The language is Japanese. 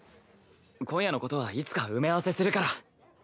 今夜のことはいつか埋め合わせするから。